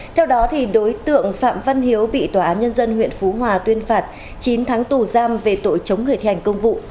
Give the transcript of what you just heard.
theo đó đối tượng phạm văn hiếu bị tòa án nhân dân huyện phú hòa tuyên phạt chín tháng tù giam về tội chống người thi hành công vụ